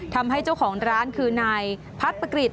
ทำให้เจ้าของร้านคือนายพัดปกฤษ